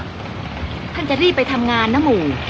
ท่านจะรีบไปทำงานนะหมู่